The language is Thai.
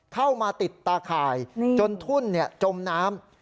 เข้ามาติดตาข่ายจนทุ่นจมน้ำ